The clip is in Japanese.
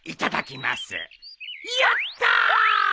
やった！